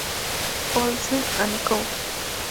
Olsen and Co.